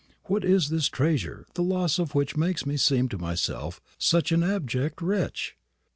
"What is this treasure, the loss of which makes me seem to myself such an abject wretch?